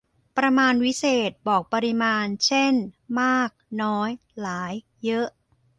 ประมาณวิเศษณ์ บอกปริมาณ เช่น มาก น้อย หลาย เยอะ